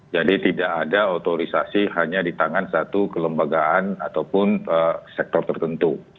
jadi tidak ada otorisasi hanya di tangan satu kelembagaan ataupun sektor tertentu